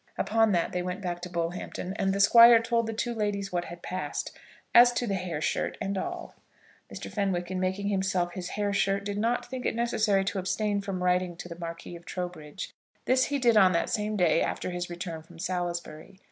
Upon that they went back to Bullhampton, and the Squire told the two ladies what had passed; as to the hair shirt and all. Mr. Fenwick in making for himself his hair shirt did not think it necessary to abstain from writing to the Marquis of Trowbridge. This he did on that same day after his return from Salisbury.